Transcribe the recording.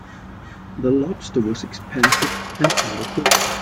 The lobster was expensive and undercooked.